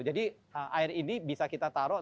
jadi air ini bisa kita taruh